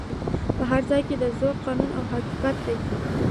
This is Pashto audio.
په هر ځای کي زور قانون او حقیقت دی